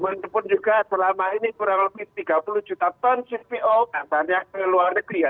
walaupun juga selama ini kurang lebih tiga puluh juta ton cpo kabarnya ke luar negeri ya